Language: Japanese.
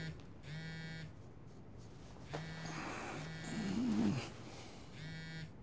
うん。